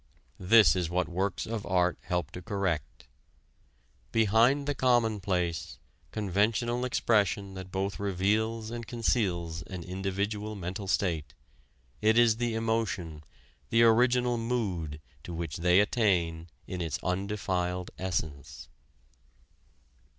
This is what works of art help to correct: "Behind the commonplace, conventional expression that both reveals and conceals an individual mental state, it is the emotion, the original mood, to which they attain in its undefiled essence."